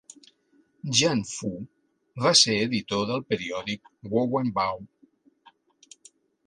Yan Fu va ser editor del periòdic "Guowen Bao".